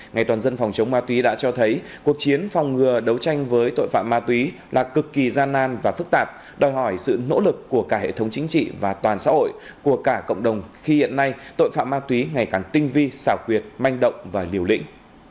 ngày toàn dân phòng chống ma túy đã cho thấy cuộc chiến phòng ngừa đấu tranh với tội phạm ma túy là cực kỳ gian nan và phức tạp đòi hỏi sự nỗ lực của cả hệ thống chính trị và toàn xã hội của cả cộng đồng khi hiện nay tội phạm ma túy ngày càng tinh vi xảo quyệt manh động và liều lĩnh